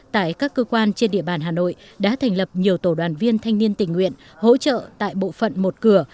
tại các cơ quan trên địa bàn hà nội đã thành lập nhiều tổ đoàn viên thanh niên tình nguyện hỗ trợ tại bộ phận một cửa